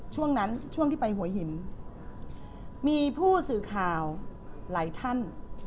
ช่วงนั้นช่วงที่ไปหัวหินมีผู้สื่อข่าวหลายท่าน